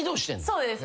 そうです。